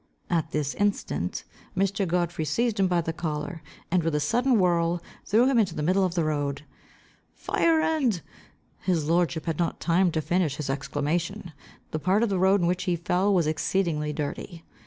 At this instant, Mr. Godfrey seized him by the collar, and with a sudden whirl, threw him into the middle of the road. "Fire and" his lordship had not time to finish his exclamation. The part of the road in which he fell was exceeding dirty.